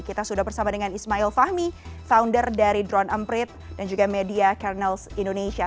kita sudah bersama dengan ismail fahmi founder dari drone emprit dan juga media kernels indonesia